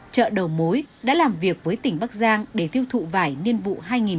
chợ đầu mối đã làm việc với tỉnh bắc giang để tiêu thụ vải niên vụ hai nghìn hai mươi